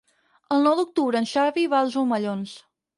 El nou d'octubre en Xavi va als Omellons.